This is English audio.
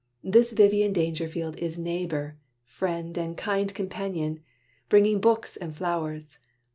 This Vivian Dangerfield is neighbor, friend And kind companion; bringing books and flowers.